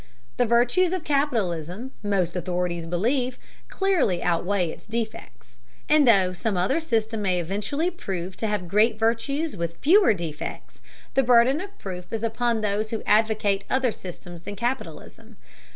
The virtues of capitalism, most authorities believe, clearly outweigh its defects, and though some other system may eventually prove to have as great virtues with fewer defects, the burden of proof is upon those who advocate other systems than capitalism.